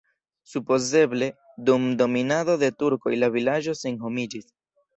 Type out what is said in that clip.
Supozeble dum dominado de turkoj la vilaĝo senhomiĝis.